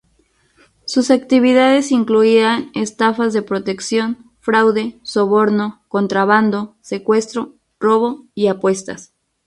Sus actividades incluían estafas de protección, fraude, soborno, contrabando, secuestro, robo y apuestas.